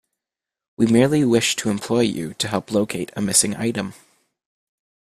We merely wish to employ you to help locate a missing item.